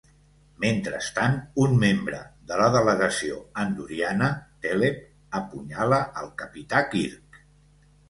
Mentrestant, un membre de la delegació andoriana, Thelev, apunyala el capità Kirk.